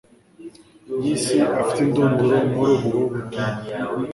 y'isi afite indunduro muri ubwo butumwa